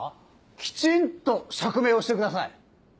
きちんと釈明をしてください。